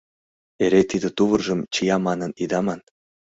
Эре тиде тувыржым чия манын ида ман, -